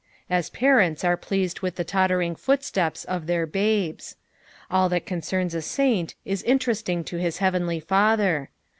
As parents are pleased with the tottering footsteps of their babes. All that concerns a saint ia interesting to his heavenly Father.